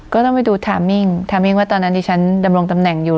ก็ต้องไปดูไทมมิ่งทามมิ้งว่าตอนนั้นที่ฉันดำรงตำแหน่งอยู่